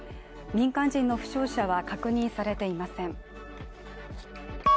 民間人の負傷者は確認されていません。